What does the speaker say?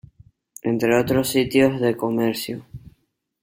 Entre otros sitios de comercio.